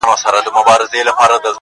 پروني ملا ویله چي کفار پکښي غرقیږي!!